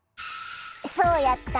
そうやった。